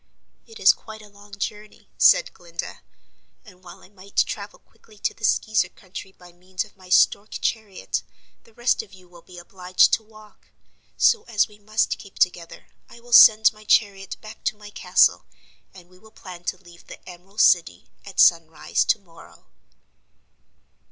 "It is quite a long journey," said Glinda, "and while I might travel quickly to the Skeezer country by means of my stork chariot the rest of you will be obliged to walk. So, as we must keep together, I will send my chariot back to my castle and we will plan to leave the Emerald City at sunrise to morrow."